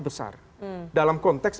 besar dalam konteks